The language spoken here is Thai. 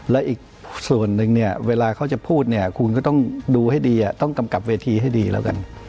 และอีกส่วนหนึ่งเนี่ยเวลาเขาจะพูดเนี่ยคุณก็ต้องดูให้ดีต้องกำกับเวทีให้ดีแล้วกัน